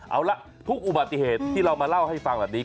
เอาละทุกอุบัติเหตุที่เรามาเล่าให้ฟังแบบนี้